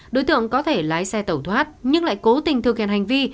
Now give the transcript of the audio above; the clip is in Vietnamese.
đối tượng có thể lái xe tẩu thoát nhưng lại cố tình thực hiện hành vi